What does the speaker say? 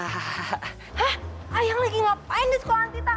hah ayang lagi ngapain di sekolah tita